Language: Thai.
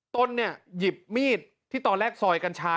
ตนเนี่ยหยิบมีดที่ตอนแรกซอยกัญชา